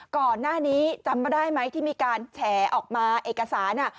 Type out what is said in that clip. ก่อนหน้านี้จำมาได้ไหมที่มีการแฉออกมาเอกสาร